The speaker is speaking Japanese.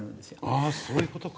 ああそういう事か。